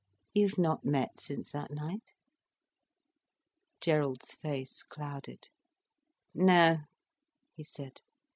You've not met since that night?" Gerald's face clouded. "No," he said.